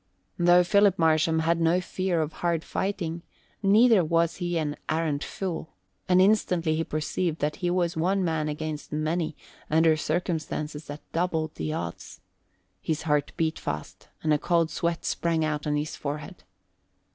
Though Philip Marsham had no fear of hard fighting, neither was he an arrant fool, and instantly he perceived that he was one man against many under circumstances that doubled the odds. His heart beat fast and a cold sweat sprang out on his forehead.